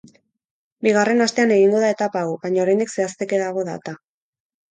Bigarren astean egingo da etapa hau, baina oraindik zehazteke dago data.